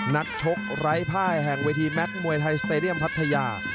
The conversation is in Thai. นักชกไร้ภายแห่งเวทีแม็กซมวยไทยสเตดียมพัทยา